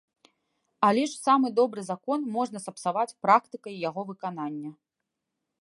Але ж самы добры закон можна сапсаваць практыкай яго выканання.